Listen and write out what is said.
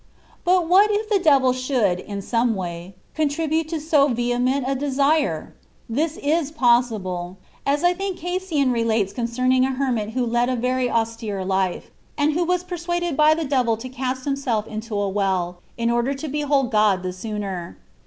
But what if the devil should, in some way, con tribute to so vehement a desire ? This is possi ble ; as I think Cassian relates concerning a her mit who led a very austere life, and who was per suaded by the devil to cast himself into a well, in order to behold God the sooner.